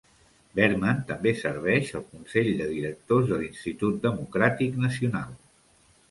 Berman també serveix al Consell de Directors de l'Institut Democràtic Nacional.